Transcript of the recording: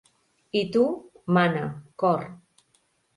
I tu, mana, cor.